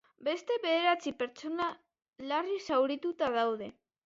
Beste bederatzi pertsona larri zaurituta daude.